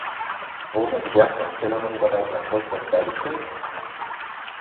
Wurden die Werkseinstellungen bereits erfolgreich hergestellt?